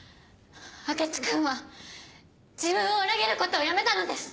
明智君は自分を裏切ることをやめたのです！